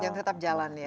yang tetap jalan ya